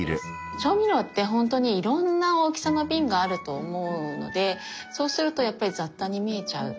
調味料ってほんとにいろんな大きさの瓶があると思うのでそうするとやっぱり雑多に見えちゃうと思うので。